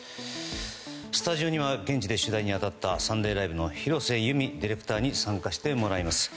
スタジオには現地で取材に当たった「サンデーＬＩＶＥ！！」の廣瀬ディレクターに参加してもらいます。